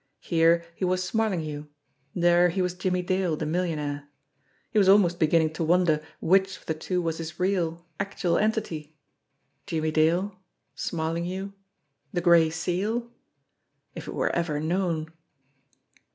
Here he was Smarlinghue ; there he was Jimmie Dale, the millionaire. He was almost begin ning to wonder which of the two was his real, actual entity. Jimmie Dale; Smarlinghue the Gray Seal! If it were ever known